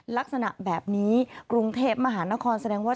ลักษณะแบบนี้กรุงเทพมหานครแสดงว่า